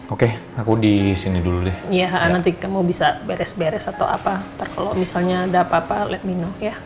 oke aku di sini dulu deh iya nanti kamu bisa beres beres atau apa nanti kalau misalnya ada apa apa let mino ya